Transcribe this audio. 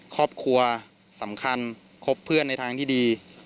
ครอบครัวสำคัญคบเพื่อนในทางที่ดี